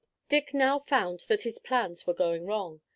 Dick now found that his plans were going wrong.